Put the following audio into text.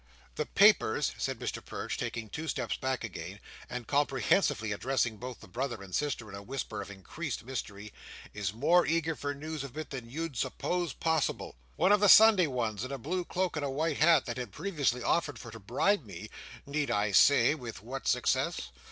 The Papers," said Mr Perch, taking two steps back again, and comprehensively addressing both the brother and sister in a whisper of increased mystery, "is more eager for news of it than you'd suppose possible. One of the Sunday ones, in a blue cloak and a white hat, that had previously offered for to bribe me—need I say with what success?